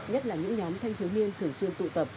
nhất là những nhóm thanh thiếu niên thường xuyên tụ tập